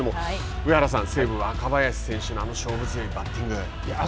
上原さん、西武、若林選手のあの勝負強いバッティングあ